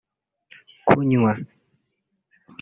kunywa